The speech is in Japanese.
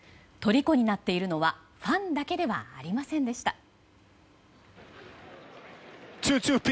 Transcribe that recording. とりこになっているのはファンだけではありませんでした。